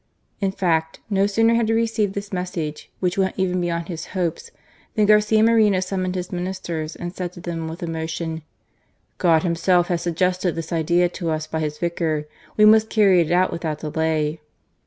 In &ct, no sooner had he received this message, which went even beyond his hopes, than Garcia Moreno sum moned his Ministers and said to them with emotion :God Himself has suggested this idea to us by His Vicar. We must carr\' it out without delay."